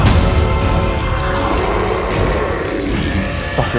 jangan masukan aku pakemu